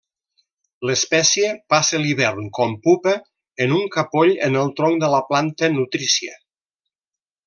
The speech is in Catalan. L'espècie passa l'hivern com pupa en un capoll en el tronc de la planta nutrícia.